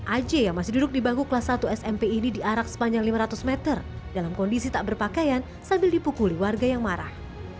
aj yang masih duduk di bangku kelas satu smp ini diarak sepanjang lima ratus meter dalam kondisi tak berpakaian sambil dipukuli warga yang marah